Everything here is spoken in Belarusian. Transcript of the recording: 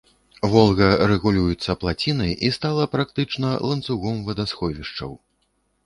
Волга рэгулюецца плацінай і стала практычна ланцугом вадасховішчаў.